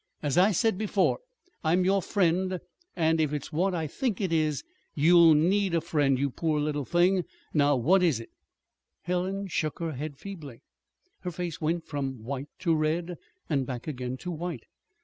As I said before, I'm your friend, and if it's what I think it is you'll need a friend, you poor little thing! Now, what is it?" Helen shook her head feebly. Her face went from white to red, and back again to white.